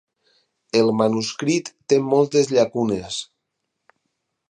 El manuscrit té moltes llacunes.